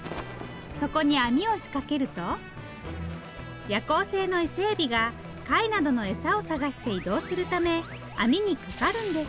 そこに網を仕掛けると夜行性の伊勢エビが貝などの餌を探して移動するため網にかかるんです。